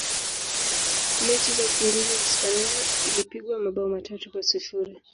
mechi za ufunguzi hispania ilipigwa mabao matano kwa sifuri